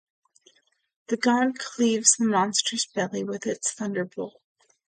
The god cleaves the monster's belly with its thunderbolt